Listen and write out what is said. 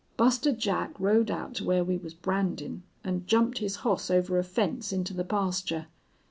Buster Jack rode out to where we was brandin' an' jumped his hoss over a fence into the pasture.